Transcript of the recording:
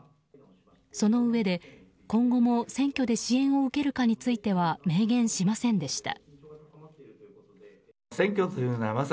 そのうえで、今後も選挙で支援を受けるかについては明言しませんでした。